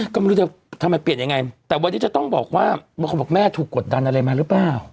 ก็ไม่รู้จะทำไมเปลี่ยนยังไงแต่วันนี้จะต้องบอกว่าบางคนบอกแม่ถูกกดดันอะไรมาหรือเปล่า